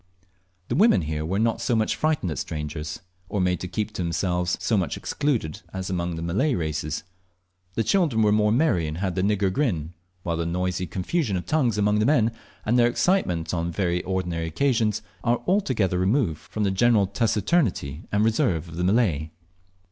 The women here were not so much frightened at strangers, or made to keep themselves so much secluded as among the Malay races; the children were more merry and had the "nigger grin," while the noisy confusion of tongues among the men, and their excitement on very ordinary occasions, are altogether removed from the general taciturnity and reserve of the Malay.